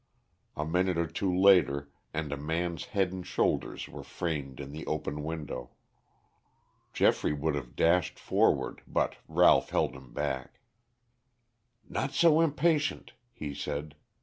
A minute or two later and a man's head and shoulders were framed in the open window. Geoffrey would have dashed forward, but Ralph held him back. "Not so impatient," he said.